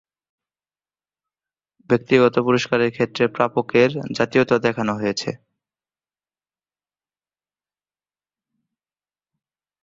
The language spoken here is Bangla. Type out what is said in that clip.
ব্যক্তিগত পুরস্কারের ক্ষেত্রে পুরস্কার প্রাপকের জাতীয়তা অথবা জন্মস্থান ও নাগরিকত্ব দেখানো হয়েছে।